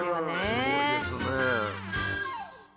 すごいですね。